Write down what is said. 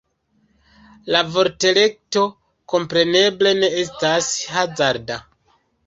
La vortelekto kompreneble ne estas hazarda.